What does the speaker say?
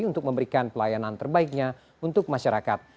untuk memberikan pelayanan terbaiknya untuk masyarakat